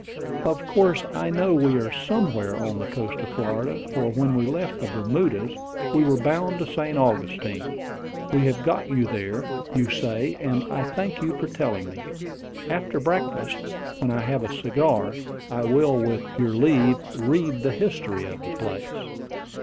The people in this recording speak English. Of course I know we are somewhere on the coast of Florida, for when we left the Bermudas we were bound to St. Augustine. We have got there, you say; and I thank you for telling me. After breakfast, when I have a cigar, I will, with your leave, read the history of the place."